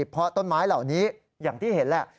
เพราะต้นไม้เหล่านี้อย่างที่เห็นแหละ